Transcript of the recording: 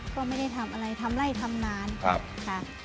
ก็ไม่ได้ทำอะไรทำไล่ทำนานค่ะ